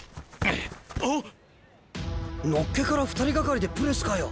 のっけから２人がかりでプレスかよ。